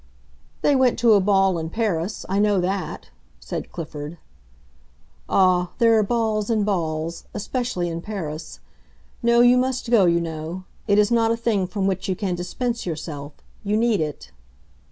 "They went to a ball, in Paris; I know that," said Clifford. "Ah, there are balls and balls; especially in Paris. No, you must go, you know; it is not a thing from which you can dispense yourself. You need it."